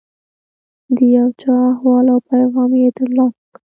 د یو چا احوال او پیغام یې ترلاسه کړ.